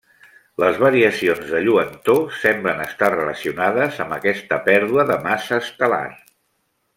Les variacions de lluentor semblen estar relacionades amb aquesta pèrdua de massa estel·lar.